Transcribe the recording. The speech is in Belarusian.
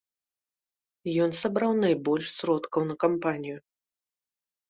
Ён сабраў найбольш сродкаў на кампанію.